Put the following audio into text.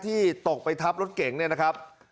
ตกไปทับรถเก๋งเนี่ยนะครับ